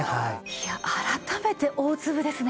いや改めて大粒ですね。